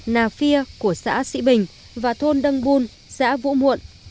nà phiê của xã sĩ bình và thôn đăng buôn xã vũ muộn